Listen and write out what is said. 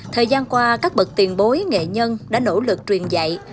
thời gian qua các bậc tiền bối nghệ nhân đã nỗ lực truyền dạy